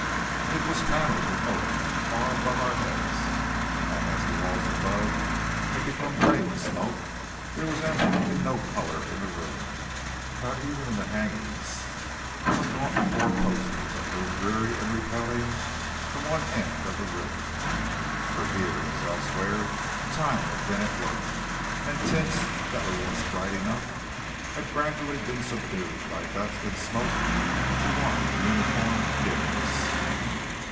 It was paneled with oak far above our heads, and as the walls above had become gray with smoke, there was absolutely no color in the room, not even in the hangings of the gaunt four poster that loomed dreary and repelling from one end of the room. For here, as elsewhere, time had been at work, and tints that were once bright enough had gradually been subdued by dust and smoke into one uniform dimness.